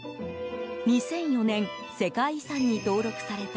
２００４年世界遺産に登録された